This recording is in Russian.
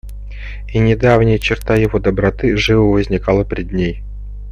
И недавняя черта его доброты живо возникала пред ней.